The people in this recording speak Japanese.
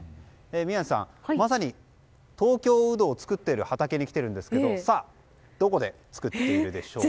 宮司さん、まさに東京ウドを作っている畑に来ているんですがどこで作っているでしょうか。